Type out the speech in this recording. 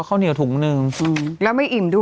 ข้าวเหนียวถุงหนึ่งแล้วไม่อิ่มด้วย